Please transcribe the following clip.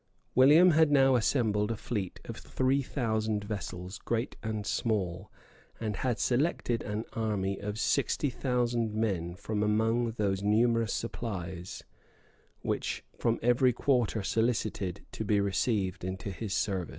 [] William had now assembled a fleet of three thousand vessels, great and small,[] and had selected an army of sixty thousand men from among those numerous supplies, which from every quarter solicited to be received into his service.